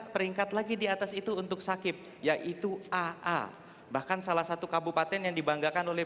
peringkat lagi di atas itu untuk sakit yaitu aa bahkan salah satu kabupaten yang dibanggakan oleh